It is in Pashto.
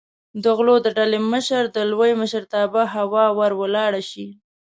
د غلو د ډلې مشر د لوی مشرتابه هوا ور ولاړه شي.